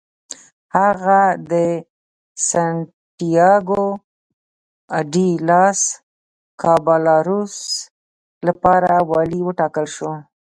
هغه د سنتیاګو ډي لاس کابالروس لپاره والي وټاکل شو.